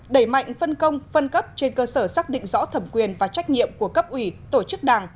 đẩy mạnh phân công phân cấp trên cơ sở xác định rõ thẩm quyền và trách nhiệm của cấp ủy tổ chức đảng